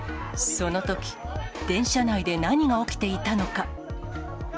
そのとき、電車内で何が起きていたのか。